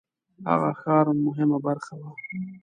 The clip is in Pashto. هغه ښار مهمه برخه وه.